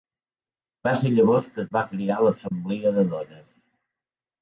Va ser llavors que es va crear l'Assemblea de dones.